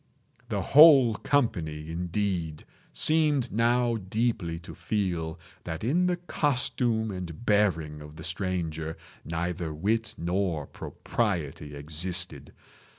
The whole company, indeed, seemed now deeply to feel that in the costume and bearing of the stranger neither wit nor propriety existed.